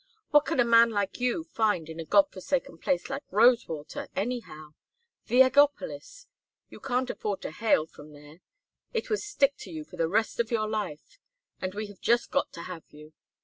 What can a man like you find in a God forsaken place like Rosewater, anyhow? The Eggopolis! You can't afford to hail from there; it would stick to you for the rest of your life. And we have just got to have you.